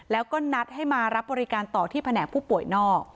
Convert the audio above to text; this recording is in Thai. แล้วก็นัดให้มารับบริการต่อที่แผนกผู้ป่วยนอก